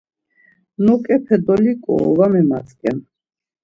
Noǩepi dolinǩoru va mematzǩen.